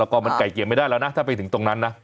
แล้วก็มันไก่เกลี่ยไม่ได้แล้วนะถ้าไปถึงตรงนั้นนะ